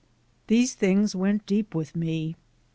These things went deep with me.